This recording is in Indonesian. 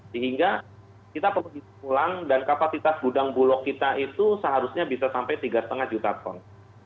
sehingga kita perlu pulang dan kapasitas gudang bulog kita itu seharusnya bisa sampai tiga lima juta ton